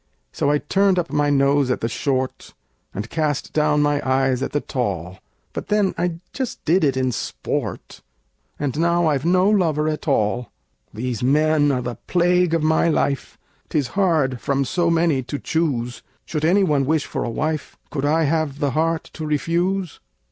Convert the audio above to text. So I turned up my nose at the short, And cast down my eyes at the tall; But then I just did it in sport And now I've no lover at all! These men are the plague of my life: 'Tis hard from so many to choose! Should any one wish for a wife, Could I have the heart to refuse?